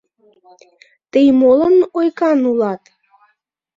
Тый молан ойган улат